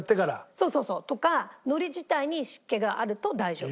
そうそうそうとか海苔自体に湿気があると大丈夫。